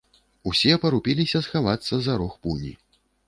Усе парупіліся схавацца за рог пуні.